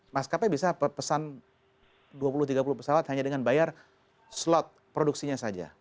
maskapai bisa pesan dua puluh tiga puluh pesawat hanya dengan bayar slot produksinya saja